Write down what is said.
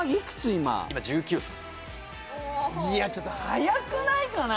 今いやちょっと早くないかな？